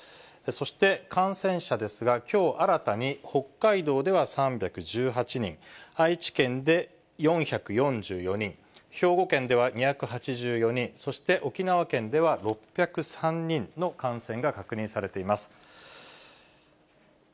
そして、感染者ですが、きょう新たに北海道では３１８人、愛知県で４４４人、兵庫県では２８４人、そして沖縄県では６０３人の感染が確認されています。